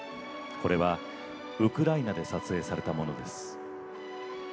これはウクライナで撮影されたものです。